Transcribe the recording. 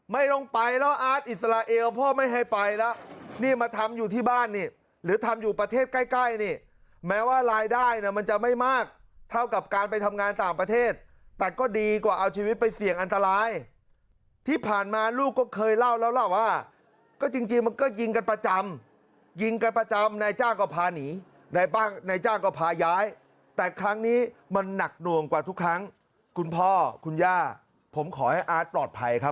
ไม่ต้องไปแล้วอาร์ทอิสราเอลพ่อไม่ให้ไปแล้วนี่มาทำอยู่ที่บ้านนี่หรือทำอยู่ประเทศใกล้นี่แม้ว่ารายได้มันจะไม่มากเท่ากับการไปทำงานต่างประเทศแต่ก็ดีกว่าเอาชีวิตไปเสี่ยงอันตรายที่ผ่านมาลูกก็เคยเล่าแล้วว่าก็จริงมันก็ยิงกันประจำยิงกันประจำในจ้างก็พาหนีในในจ้างก็พาย้ายแต่ครั้งนี้มันหนัก